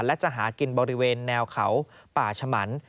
และจะหากินบริเวณแนวเขาป่าชะมัน